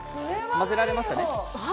まぜられましたね。